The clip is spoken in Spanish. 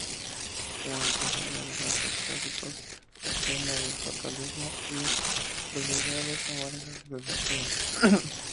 Una tragedia de rasgos clásicos, plena de fatalismo y veleidades amargas del destino.